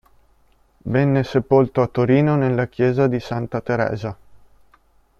Venne sepolto a Torino nella chiesa di Santa Teresa.